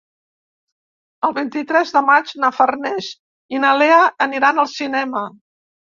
El vint-i-tres de maig na Farners i na Lea aniran al cinema.